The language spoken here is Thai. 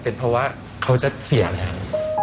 เป็นเพราะว่าเขาจะเสียแล้ว